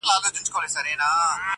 وروڼه له وروڼو څخه بیریږي-